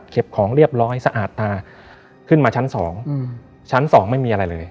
ของเรียบร้อยสะอาดตาขึ้นมาชั้น๒ชั้น๒ไม่มีอะไรเลย